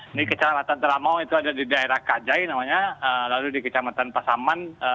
ini kecamatan terlamau itu ada di daerah kajai namanya lalu di kecamatan pasaman